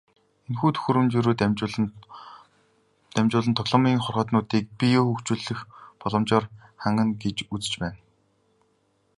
Энэхүү төхөөрөмжөөрөө дамжуулан тоглоомын хорхойтнуудыг биеэ хөгжүүлэх боломжоор хангана гэж үзэж байна.